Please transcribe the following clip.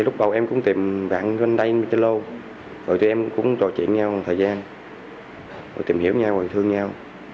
lúc đầu em cũng tìm bạn lên đây trên lô rồi tụi em cũng trò chuyện nhau một thời gian rồi tìm hiểu nhau hồi thương nhau